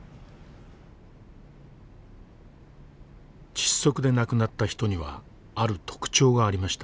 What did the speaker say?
窒息で亡くなった人にはある特徴がありました。